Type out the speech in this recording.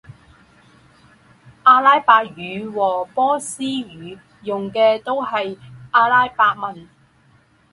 阿拉伯语和波斯语用的都是阿拉伯文。